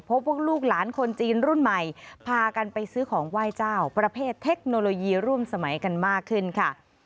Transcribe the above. ลูกหลานคนจีนรุ่นใหม่พากันไปซื้อของไหว้เจ้าประเภทเทคโนโลยีร่วมสมัยกันมากขึ้นค่ะ